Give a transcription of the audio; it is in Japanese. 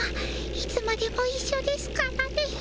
いつまでもいっしょですからね。